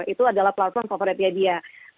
itu adalah platform favoritnya dia